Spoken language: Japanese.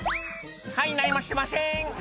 はい何もしてません」